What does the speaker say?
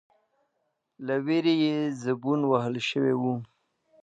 ، له وېرې يې زبون وهل شوی و،